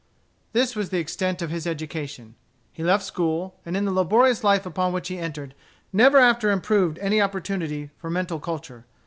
This was the extent of his education. He left school, and in the laborious life upon which he entered, never after improved any opportunity for mental culture.